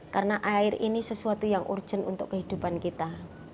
karena air ini sesuatu yang urgent untuk kehidupan kita